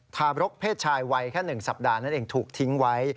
ทารกเพศชายวัยแค่๑สัปดาห์นั่นเองถูกทิ้งไว้